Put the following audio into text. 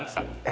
え。